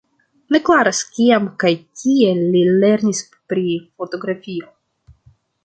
Ne klaras, kiam kaj kie li lernis pri fotografio.